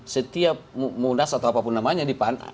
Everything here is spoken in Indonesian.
setiap munas atau apapun namanya di pan